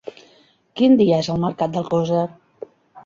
Quin dia és el mercat d'Alcosser?